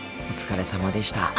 お疲れさまでした。